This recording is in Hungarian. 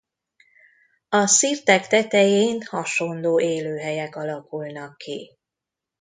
A szirtek tetején hasonló élőhelyek alakulnak ki.